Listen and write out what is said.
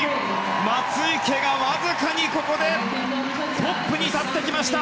松生がわずかにここでトップに立ってきました。